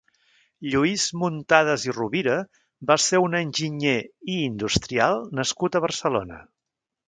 Lluís Muntadas i Rovira va ser un enginyer i industrial nascut a Barcelona.